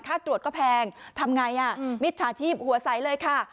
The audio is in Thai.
ค่าตรวจก็แพงทำไงอ่ะมิจฉาชีพหัวใสเลยค่ะ